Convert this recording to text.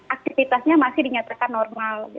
aktivitasnya masih dinyatakan normal